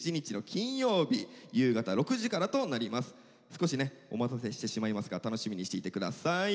少しねお待たせしてしまいますが楽しみにしていて下さい。